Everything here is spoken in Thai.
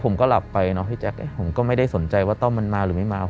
ผมก็หลับไปเนอะพี่แจ๊คผมก็ไม่ได้สนใจว่าต้อมมันมาหรือไม่มา